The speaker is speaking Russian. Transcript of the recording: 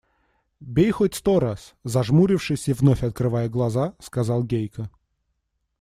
– Бей хоть сто раз, – зажмурившись и вновь открывая глаза, сказал Гейка.